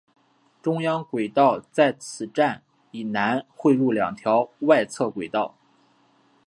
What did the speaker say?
中央轨道在此站以南汇入两条外侧轨道。